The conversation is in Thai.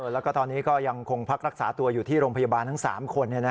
แล้วก็ตอนนี้ก็ยังคงพักรักษาตัวอยู่ที่โรงพยาบาลทั้ง๓คน